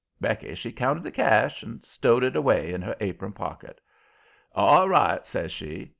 Becky, she counted the cash and stowed it away in her apron pocket. "ALL right," says she.